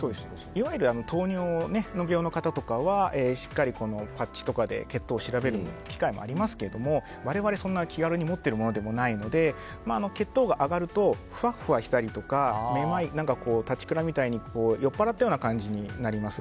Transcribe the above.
いわゆる糖尿病の方とかはしっかりパッチとかで血糖を調べる機械もありますけど我々そんな気軽に持ってるものでもないので血糖が上がるとふわふわしたりとかめまい、立ちくらみみたいに酔っぱらったような感じになります。